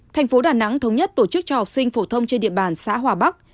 thành phố đà nẵng thống nhất tổ chức cho học sinh phổ thông trên địa bàn xã hòa bắc